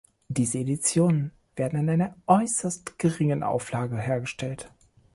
Diese Editionen werden in einer äußerst geringen Auflage hergestellt.